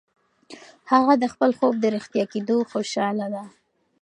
هغه د خپل خوب د رښتیا کېدو خوشاله ده.